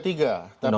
tapi ada lagi